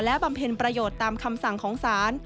บำเพ็ญประโยชน์ตามคำสั่งของศาล